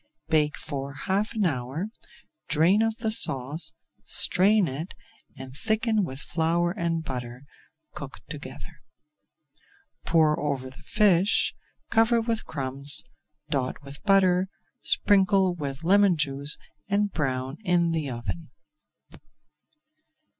Bake for half an hour, drain off the sauce, strain it and thicken with flour and butter, cooked together. Pour over the fish, cover [Page 343] with crumbs, dot with butter, sprinkle with lemon juice, and brown in the oven.